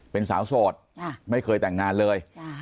เป็นสาวโสดไม่เคยแต่งงานเลย